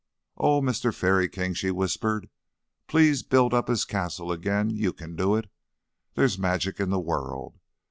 "Oh, Mister Fairy King!" she whispered. "Please build up his castle again. You can do it. There's magic in the world.